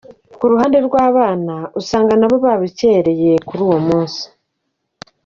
Ku ruhande rw’abana, usanga na bo babukereye kuri uwo munsi.